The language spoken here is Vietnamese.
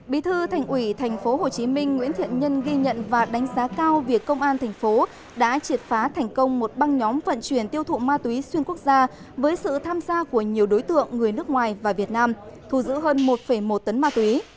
bí thư thành ủy tp hcm nguyễn thiện nhân ghi nhận và đánh giá cao việc công an thành phố đã triệt phá thành công một băng nhóm vận chuyển tiêu thụ ma túy xuyên quốc gia với sự tham gia của nhiều đối tượng người nước ngoài và việt nam thu giữ hơn một một tấn ma túy